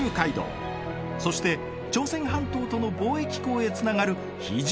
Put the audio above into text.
そして朝鮮半島との貿易港へつながる肥中街道も！